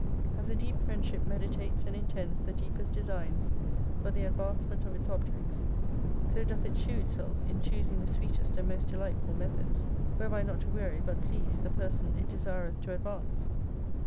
As a deep friendship meditates and intends the deepest designs for the advancement of its objects, so doth it shew itself in choosing the sweetest and most delightful methods, whereby not to weary but please the person it desireth to advance.